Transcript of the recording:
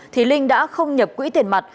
thì linh đã không nhập quỹ tiền mặt